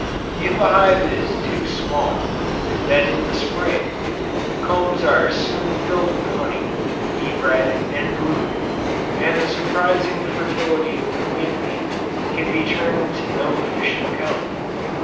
If a hive is too small, then in the Spring, the combs are soon filled with honey, bee bread and brood, and the surprising fertility of the queen bee, can be turned to no efficient account.